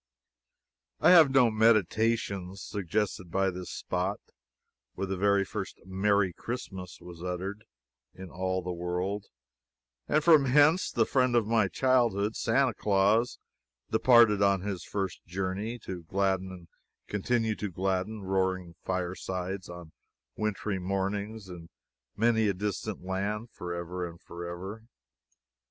I have no "meditations," suggested by this spot where the very first "Merry Christmas!" was uttered in all the world, and from whence the friend of my childhood, Santa Claus, departed on his first journey, to gladden and continue to gladden roaring firesides on wintry mornings in many a distant land forever and forever.